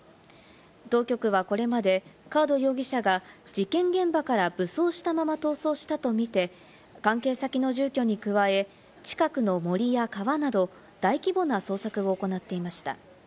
当局はこれまでカード容疑者が事件現場から武装したまま逃走したとみて、関係先の住居に加え、近くの森や川など大規模な捜索を行っていました。